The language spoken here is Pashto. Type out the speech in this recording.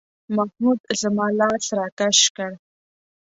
محمود زما لاس راکش کړ.